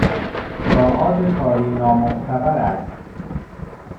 ساعات کاری نامعتبر است